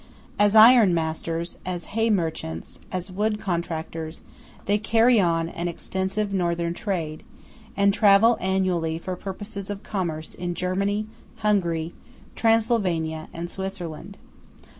As iron masters, as hay merchants, as wood contractors, they carry on an extensive Northern trade, and travel annually for purposes of commerce in Germany, Hungary, Transylvania, and Switzerland.